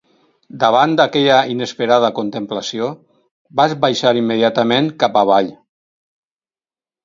Davant d’aquella inesperada contemplació, vaig baixar immediatament cap avall.